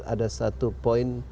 ada satu poin